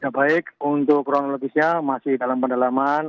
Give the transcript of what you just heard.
baik untuk kronologisnya masih dalam pendalaman